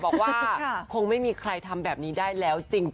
บอกว่าคงไม่มีใครทำแบบนี้ได้แล้วจริง